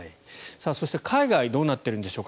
そして、海外はどうなっているんでしょうか。